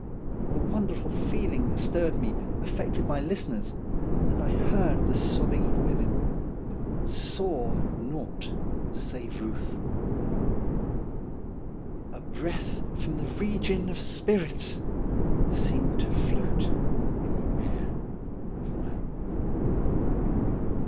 The wonderful feeling that stirred me affected my 154 STORIES WEIRD AND WONDERFUL listeners, and I heard the sobbing of women, but saw naught save Euth : A breath from the region of spirits Seemed to float in the air of night.